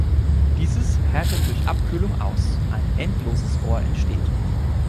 Dieses härtet durch Abkühlung aus, ein endloses Rohr entsteht.